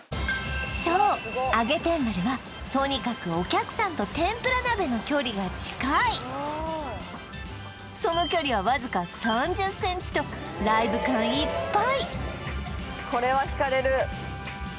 そう揚げ天まるはとにかくお客さんとその距離はわずか３０ｃｍとライブ感いっぱい